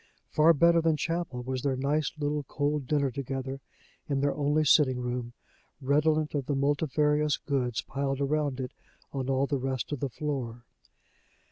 Far better than chapel was their nice little cold dinner together, in their only sitting room, redolent of the multifarious goods piled around it on all the rest of the floor.